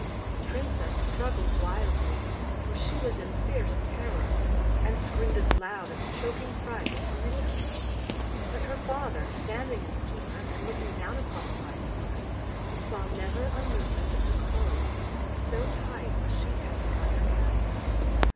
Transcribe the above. The princess struggled wildly, for she was in fierce terror, and screamed as loud as choking fright would permit her; but her father, standing in the door, and looking down upon the wise woman, saw never a movement of the cloak, so tight was she held by her captor.